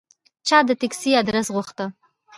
چا د تکسي آدرس غوښته.